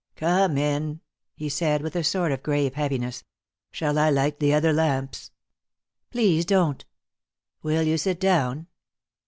"Come in," he said, with a sort of grave heaviness. "Shall I light the other lamps?" "Please don't." "Will you sit down?